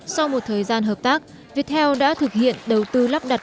sau một thời gian hợp tác viettel đã thực hiện đầu tư lắp đặt